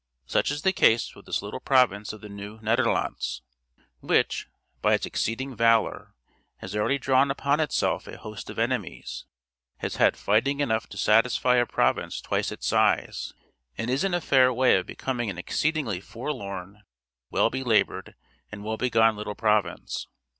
Such is the case with this little province of the Nieuw Nederlands; which, by its exceeding valor, has already drawn upon itself a host of enemies; has had fighting enough to satisfy a province twice its size, and is in a fair way of becoming an exceedingly forlorn, well belabored, and woebegone little province.